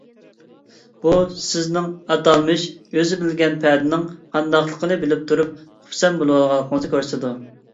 بۇ سىزنىڭ ئاتالمىش ئۆزى بىلگەن پەدىنىڭ قانداقلىقىنى بىلىپ تۇرۇپ خۇپسەن بولۇۋالغانلىقىڭىزنى كۆرسىتىدۇ.